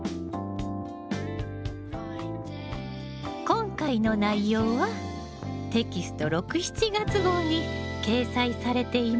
今回の内容はテキスト６・７月号に掲載されています。